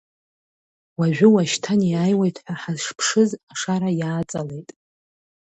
Уажәы-уашьҭан иааиуеит ҳәа ҳашԥшыз ашара иааҵалт.